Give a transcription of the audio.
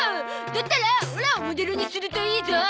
だったらオラをモデルにするといいゾ！